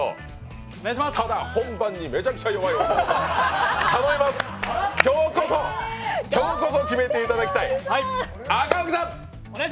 本番にめちゃくちゃ弱い男、頼みます、今日こそ、今日こそ決めていただきたい。